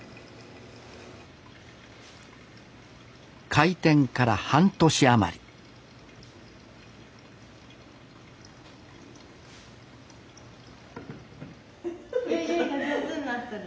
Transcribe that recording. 開店から半年余りヨイヨイが上手になっとる。